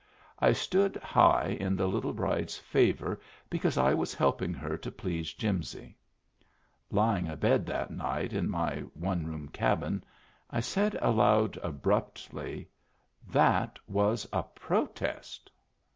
I stood high in the little bride's favor because I was helping her to please Jimsy. Lying abed that night in my one room cabin, I said aloud, abruptly :" That was a pro test."